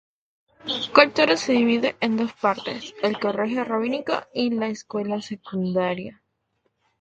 Kol Torá se divide en dos partes, el colegio rabínico y la escuela secundaria.